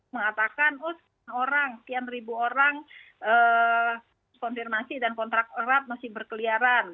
mengatakan oh sepian ribu orang konfirmasi dan kontrak erat masih berkeliaran